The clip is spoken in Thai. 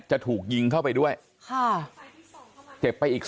จะถูกยิงเข้าไปด้วยค่ะเจ็บไปอีก